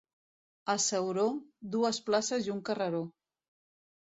A Ceuró, dues places i un carreró.